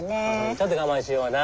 ちょっと我慢しような。